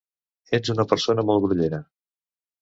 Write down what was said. Ets una persona molt grollera.